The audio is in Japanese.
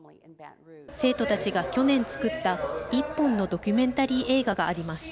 生徒たちが去年、作った１本のドキュメンタリー映画があります。